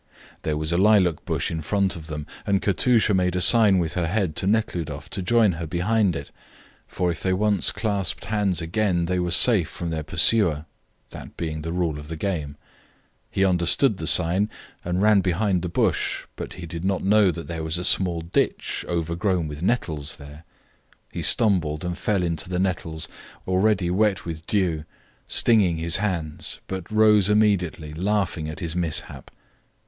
There was a lilac bush in front of them, and Katusha made a sign with her head to Nekhludoff to join her behind it, for if they once clasped hands again they were safe from their pursuer, that being a rule of the game. He understood the sign, and ran behind the bush, but he did not know that there was a small ditch overgrown with nettles there. He stumbled and fell into the nettles, already wet with dew, stinging his bands, but rose immediately, laughing at his mishap.